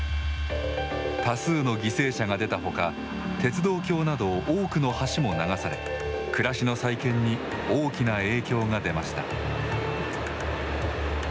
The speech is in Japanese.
多数の犠牲者が出たほか鉄道橋など多くの橋も流され暮らしの再建に大きな影響が出ました。